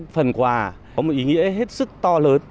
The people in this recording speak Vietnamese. phần quà có một ý nghĩa hết sức to lớn